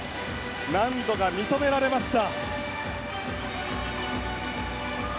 難度が認められました。